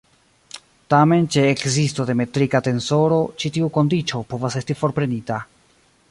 Tamen ĉe ekzisto de metrika tensoro ĉi tiu kondiĉo povas esti forprenita.